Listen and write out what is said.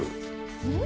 うん？